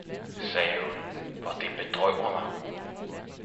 sagde hun, hvor det bedrøver mig!